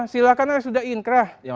silahkan sudah inkrah